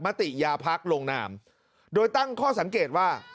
มติยาพักลงนามโดยตั้งข้อสังเกตว่า